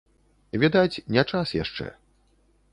Відаць, не час яшчэ.